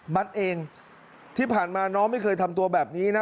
เองที่ผ่านมาน้องไม่เคยทำตัวแบบนี้นะ